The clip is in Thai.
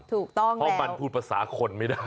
ถูกต้องค่ะเพราะมันพูดภาษาคนไม่ได้